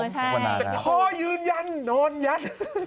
ครับผมจะก็ยืนยันนอนยั้น